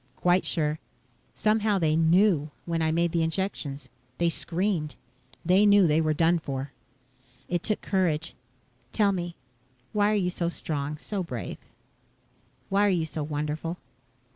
"Quite sure. Somehow they knew when I made the injections. They screamed. They knew they were done for." "It took courage. Tell me: why are you so strong, so brave? Why are you so wonderful?"